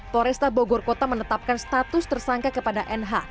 toresta bogor kota menetapkan status tersangka kepada nh